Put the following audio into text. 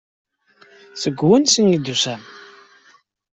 Seg wansi i d-tusam?